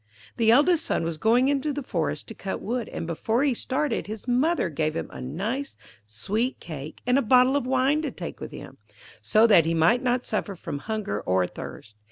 The eldest son was going into the forest to cut wood, and before he started, his mother gave him a nice sweet cake and a bottle of wine to take with him, so that he might not suffer from hunger or thirst.